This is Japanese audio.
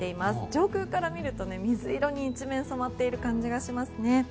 上空から見ると水色に一面染まっている感じがしますね。